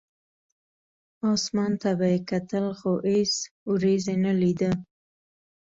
اسمان ته به یې کتل، خو هېڅ ورېځ یې نه لیده.